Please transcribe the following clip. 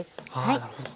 あなるほど。